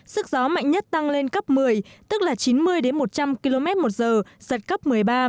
sức gió mạnh nhất tăng lên cấp một mươi tức là chín mươi một trăm linh km một giờ giật cấp một mươi ba